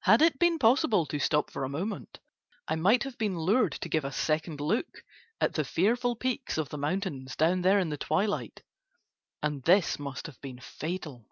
Had it been possible to stop for a moment I might have been lured to give a second look at the fearful peaks of the mountains down there in the twilight, and this must have been fatal.